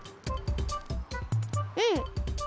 うん！